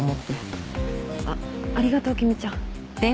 あっありがとう君ちゃん。